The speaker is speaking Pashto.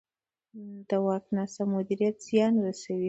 د واک ناسم مدیریت زیان رسوي